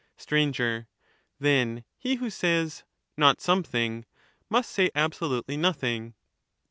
Str. Then he who says 'not something' must say abso lutely nothing.